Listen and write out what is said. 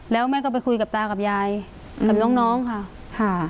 แล้วแม่ก็ไปคุยกับตากับยายอืมกับน้องน้องค่ะค่ะ